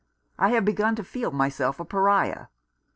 I have begun to feel myself a Pariah.